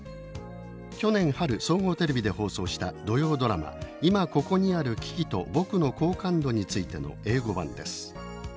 去年春総合テレビで放送した土曜ドラマ「今ここにある危機とぼくの好感度について」の英語版です。